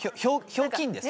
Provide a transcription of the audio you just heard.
ひょうきんですか？